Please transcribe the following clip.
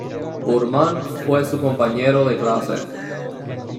Burman, fue su compañero de clase.